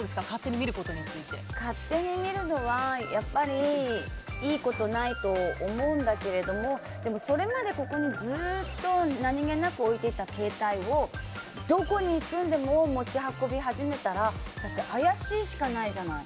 勝手に見るのはやっぱりいいことないと思うんだけれどもそれまでここにずっと何気なく置いていた携帯をどこに行くんでも持ち運び始めたらだって怪しいしかないじゃない。